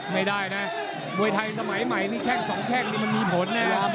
ไม่ได้นะมวยไทยสมัยใหม่นี่แข้งสองแข้งนี่มันมีผลนะ